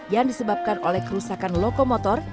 yang disebabkan oleh kerusakan lokomotor